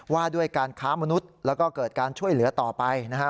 ว่าด้วยการค้ามนุษย์แล้วก็เกิดการช่วยเหลือต่อไปนะฮะ